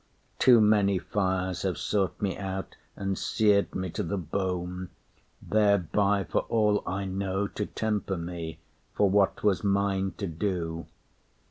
Too many fires Have sought me out and seared me to the bone Thereby, for all I know, to temper me For what was mine to do.